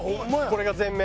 これが全面？